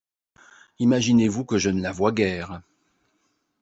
Imaginez-vous que je ne la vois guère.